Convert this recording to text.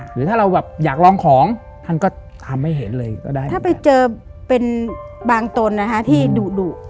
หรือถ้าเราแบบอยากลองของท่านก็ทำให้เห็นเลยก็ได้ถ้าไปเจอเป็นบางตนนะคะที่ดุดุ